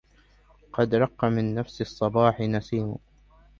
قد رق من نفس الصباح نسيم